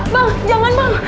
bang jangan bang